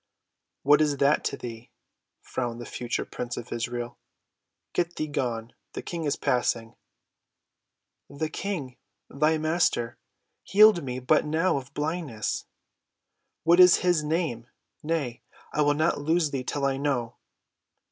"What is that to thee?" frowned the future prince of Israel. "Get thee gone, the King is passing." "The King—thy Master—healed me but now of blindness," persisted the child. "What is his name? Nay, I will not loose thee till I know."